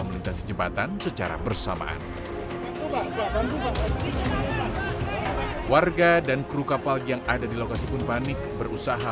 melintasi jembatan secara bersamaan warga dan kru kapal yang ada di lokasi pun panik berusaha